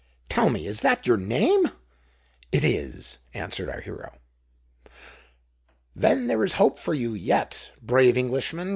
"Tell me—is that your name?" "It is," answered our hero. "Then there is hope for you yet, brave Englishman!"